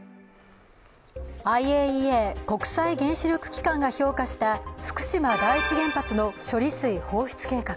ＩＡＥＡ＝国際原子力機関が評価した福島第一原発の処理水放出計画。